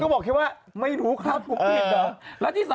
เพราะอะไรรู้ไหม